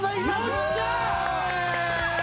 よっしゃ！